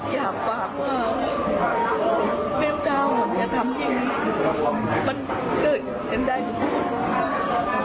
อยากฝากว่าเมียเจ้าอย่าทำอย่างนี้มันเกิดกันได้ทุกคน